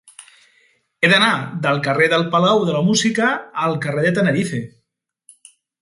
He d'anar del carrer del Palau de la Música al carrer de Tenerife.